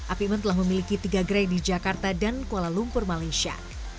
apiman telah memiliki tiga gerai di jakarta dan kuala lumpur malaysia